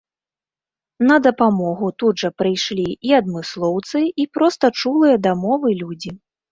На дапамогу тут жа прыйшлі і адмыслоўцы, і проста чулыя да мовы людзі.